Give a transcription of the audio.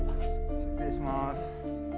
失礼します。